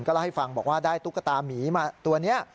เล่าให้ฟังบอกว่าได้ตุ๊กตามีมาตัวนี้